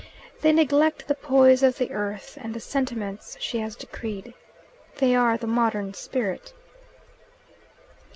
They neglect the poise of the earth, and the sentiments she has decreed. They are the modern spirit.